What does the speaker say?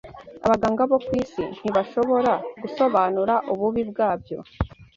Abaganga bo ku isi ntibashobora gusobanura ububi bwabyo